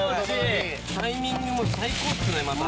タイミングも最高っすねまた。